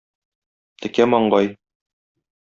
Текә маңгай.